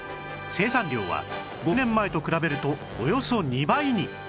生産量は５年前と比べるとおよそ２倍に